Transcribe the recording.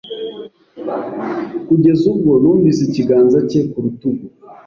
kugeza ubwo numvise ikiganza cye ku rutugu